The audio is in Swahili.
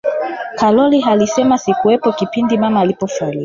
karol alisema sikuwepo kipindi mama alipofariki